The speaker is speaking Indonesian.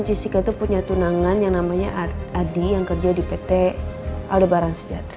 jessica itu punya tunangan yang namanya adi yang kerja di pt aldebaran sejahtera